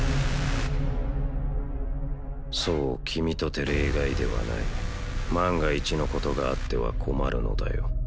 そう君とて例外ではない万が一のことがあっては困るのだよ